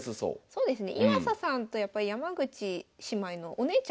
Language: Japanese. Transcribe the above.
そうですね。